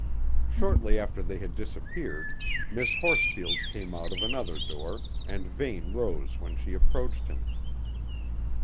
Shortly after they had disappeared, Miss Horsfield came out of another door, and Vane rose when she approached him.